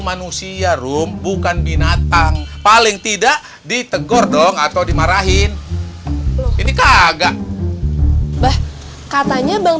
manusia rum bukan binatang paling tidak ditegur dong atau dimarahin ini kagak katanya bang